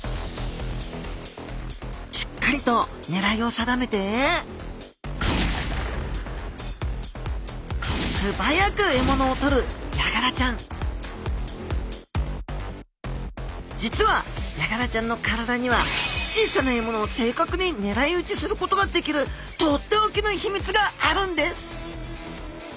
しっかりとねらいを定めて素早く獲物をとるヤガラちゃん実はヤガラちゃんの体には小さな獲物を正確にねらい撃ちすることができるとっておきの秘密があるんです！